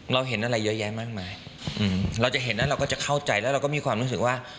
เราเห็นอะไรเยอะแยะมากมายเราจะเห็นแล้วเราก็จะเข้าใจแล้วเราก็มีความรู้สึกว่า